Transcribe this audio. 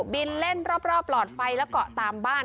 บินเล่นรอบหลอดไฟและเกาะตามบ้าน